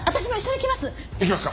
行きますか？